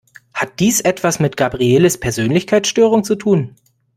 Hat dies etwas mit Gabrieles Persönlichkeitsstörung zu tun?